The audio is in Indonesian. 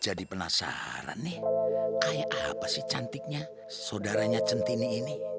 jadi penasaran nih kayak apa sih cantiknya saudaranya centini ini